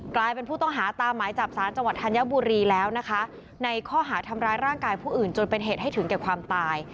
กลายเป็นผู้ต้องหาตามหมายจับสารจังหวัดธัญบุรีแล้วนะคะในข้อหาทำร้ายร่างกายผู้อื่นจนเป็นเหตุให้ถึงแก่ความตาย